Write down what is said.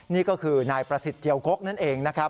นี่ก็คือนายประศิฏเจียวกบนั่นเอง